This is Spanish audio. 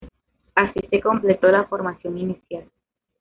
Así se completó la formación inicial.